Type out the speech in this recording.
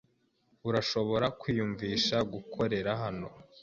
Urashobora kwiyumvisha gukorera hano?